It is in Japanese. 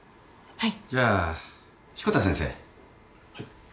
はい。